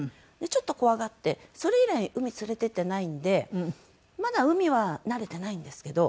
ちょっと怖がってそれ以来海連れていってないんでまだ海は慣れてないんですけど。